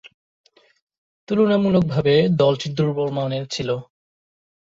তুলনামূলকভাবে দলটি দূর্বলমানের ছিল।